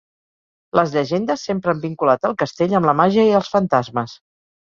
Les llegendes sempre han vinculat el castell amb la màgia i els fantasmes.